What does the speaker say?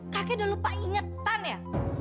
kakek udah lupa ingetan ya